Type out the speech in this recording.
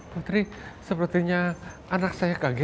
putri kelihatan tegang